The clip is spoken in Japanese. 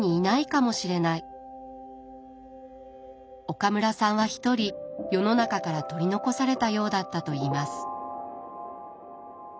岡村さんはひとり世の中から取り残されたようだったといいます。